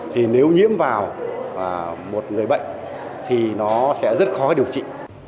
thì nếu nhiễm vào một người bệnh thì nó sẽ rất khó điều trị